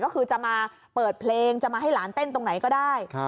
ก็คือจะมาเปิดเพลงจะมาให้หลานเต้นตรงไหนก็ได้